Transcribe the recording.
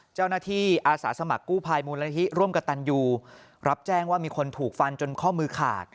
อาสาสมัครกู้ภัยมูลนิธิร่วมกับตันยูรับแจ้งว่ามีคนถูกฟันจนข้อมือขาด